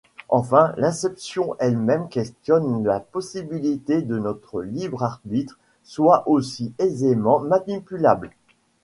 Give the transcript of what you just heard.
Enfin, l'inception elle-même questionne la possibilité que notre libre arbitre soit aussi aisément manipulable.